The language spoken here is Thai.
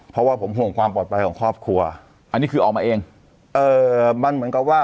เพราะว่าผมห่วงความปลอดภัยของครอบครัว